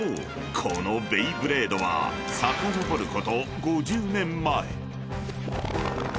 このベイブレードはさかのぼること］